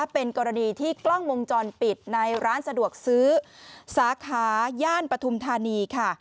เป็นกรณีที่กล้องวงจรปิดในร้านสะดวกซื้อสาขาย่านปฐุมธานีค่ะ